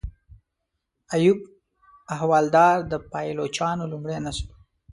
ایوب احوالدار د پایلوچانو لومړی نسل و.